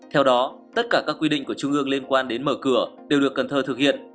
theo đó tất cả các quy định của trung ương liên quan đến mở cửa đều được cần thơ thực hiện